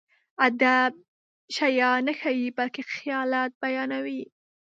ادب شيان نه ښيي، بلکې خيالات بيانوي.